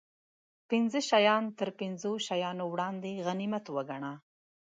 پنځه شیان تر پنځو شیانو وړاندې غنیمت و ګڼه